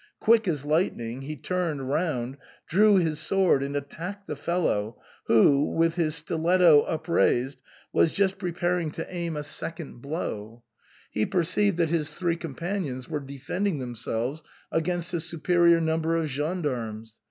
Quick as lightning he turned round, drew his sword, and attacked the fellow, who with his stiletto upraised was just preparing to aim a second 126 SIGNOR FORMICA. blow. He perceived that his three companions were defending themselves against a superior number of gendarmes.